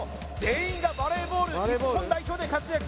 全員がバレーボール日本代表で活躍